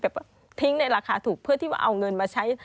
ทิ้งในราคาถูกเพื่อที่ว่าเอาเงินมาใช้